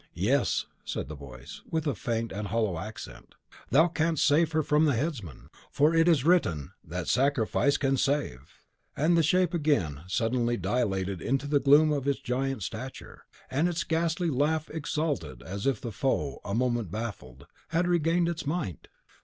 "Yes," said the Voice, with a faint and hollow accent, "thou CANST save her from the headsman; for it is written, that sacrifice can save. Ha! ha!" And the shape again suddenly dilated into the gloom of its giant stature, and its ghastly laugh exulted, as if the Foe, a moment baffled, had regained its might.